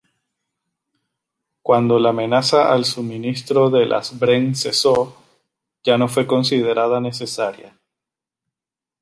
Cuando la amenaza al suministro de las Bren cesó, ya no fue considerada necesaria.